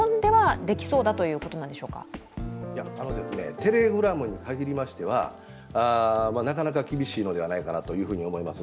Ｔｅｌｅｇｒａｍに限りましてはなかなか厳しいのではないかなと思います。